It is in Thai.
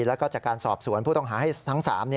แล้วก็จากการสอบสวนผู้ต้องหาให้ทั้ง๓